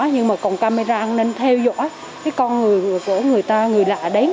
nhưng mà còn camera an ninh theo dõi con người của người ta người lạ đấy